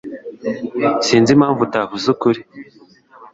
Sinzi impamvu utavuze ukuri.